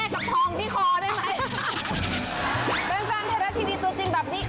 เป็นซ่านเทราติวิตัวจริงแบบนี้